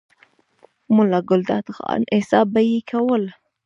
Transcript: ملا ګلداد خان، حساب به ئې کولو،